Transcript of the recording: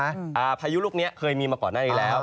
อ่าภายุลูกนี้เคยมีมาก่อนได้แล้ว